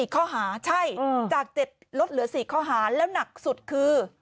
ข้อหาใช่จาก๗ลดเหลือ๔ข้อหาแล้วหนักสุดคือ